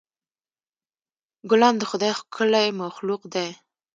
ګلان د خدای ښکلی مخلوق دی.